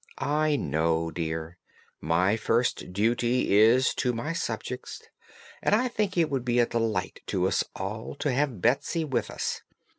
"I know, dear. My first duty is to my subjects, and I think it would be a delight to us all to have Betsy with us.